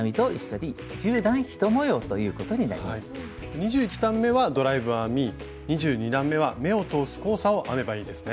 ２１段めはドライブ編み２２段めは目を通す交差を編めばいいですね。